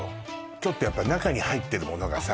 ちょっと中に入ってるものがさ